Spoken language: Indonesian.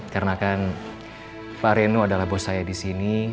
karena kan pak reno adalah bos saya di sini